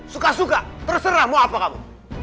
suka suka terserah mau apa kamu